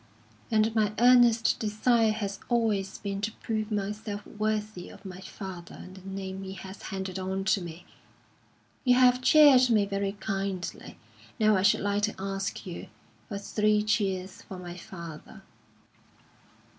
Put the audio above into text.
And my earnest desire has always been to prove myself worthy of my father and the name he has handed on to me. You have cheered me very kindly; now I should like to ask you for three cheers for my father."